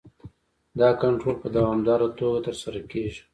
دا کنټرول په دوامداره توګه ترسره کیږي.